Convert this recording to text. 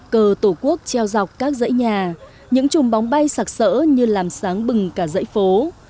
cờ tổ quốc treo dọc các dãy nhà những chùm bóng bay sạc sỡ như làm sáng bừng cả dãy phố